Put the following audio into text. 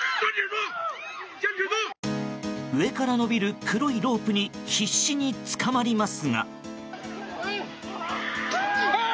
上から伸びる黒いロープに必死につかまりますが。